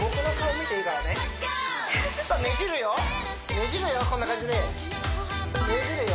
ねじるよこんな感じでねじるよ